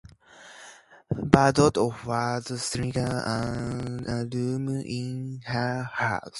Bardot offered Schneider a room in her house.